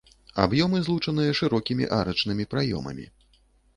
Аб'ёмы злучаныя шырокімі арачнымі праёмамі.